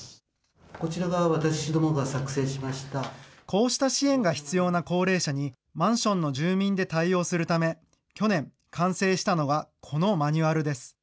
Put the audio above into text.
こうした支援が必要な高齢者に、マンションの住民で対応するため、去年、完成したのがこのマニュアルです。